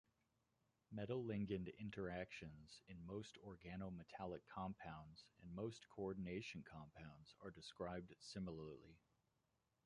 Metal-ligand interactions in most organometallic compounds and most coordination compounds are described similarly.